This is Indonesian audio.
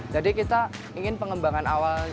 jadi kita ingin pengembangan awal